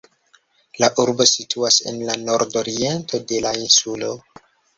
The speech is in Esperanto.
La urbo situas en la nordoriento de la insulo.